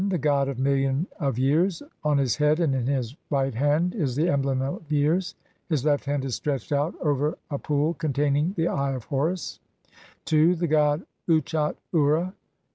The god of "Million of years"; on his head and in his right hand is the emblem of "years". His left hand is stretched out over a pool containing the Eve of Horus (see line 46 of the text). II. The god Uatchet ura